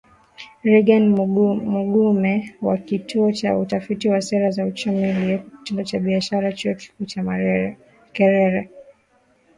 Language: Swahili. Reagan Mugume wa Kituo cha Utafiti wa Sera za Uchumi aliyeko Kitengo cha Biashara Chuo Kikuu cha Makerere